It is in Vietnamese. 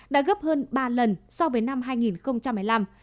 đã gấp hơn ba lần so với năm hai nghìn một mươi năm